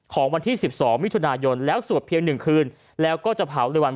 ของวันที่สิบสองมิถุนายนแล้วสวบเพียงหนึ่งคืนแล้วก็จะเผาเรือนวัน